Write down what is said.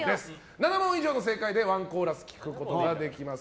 ７問以上の正解でワンコーラス聴くことができます。